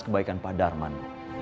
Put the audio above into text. kebaikan pak darman